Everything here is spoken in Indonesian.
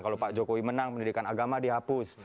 kalau pak jokowi menang pendidikan agama dihapus